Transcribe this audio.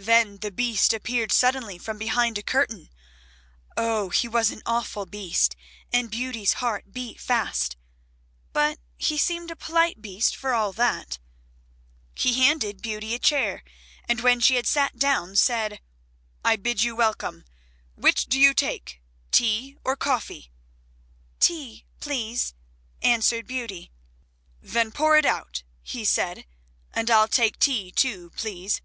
Then the Beast appeared suddenly from behind a curtain; oh, he was an awful Beast, and Beauty's heart beat fast! But he seemed a polite Beast for all that. He handed Beauty a chair, and when she had sat down said: "I bid you welcome; which do you take, tea or coffee?" "Tea please," answered Beauty. "Then pour it out," he said, "and I'll take tea too, please.